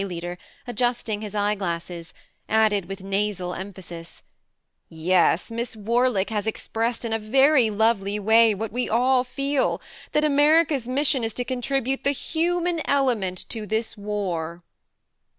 leader, adjusting his eye glasses, added with nasal emphasis :" Yes, Miss Warlick has expressed in a very lovely way what we all feel : that America's mission is to contribute the human element to this war."